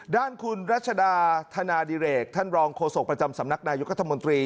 ด้านคุณรัชดาธนาดิเรกท่านรองโฆษกประจำสำนักนายุทธมนตรี